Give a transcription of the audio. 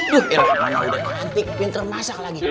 duh mana udah cantik pinter masak lagi